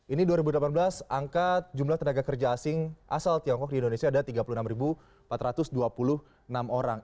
ini dua ribu delapan belas angka jumlah tenaga kerja asing asal tiongkok di indonesia ada tiga puluh enam empat ratus dua puluh enam orang